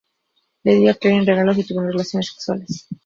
Le dio a Karin regalos y tuvieron relaciones sexuales.